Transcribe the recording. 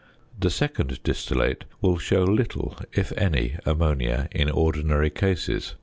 The second distillate will show little, if any, ammonia in ordinary cases.